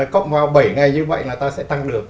cộng vào bảy ngày như vậy là ta sẽ tăng được